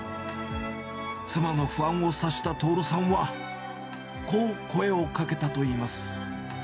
妻の不安を察したとおるさんは、こう声をかけたといいます。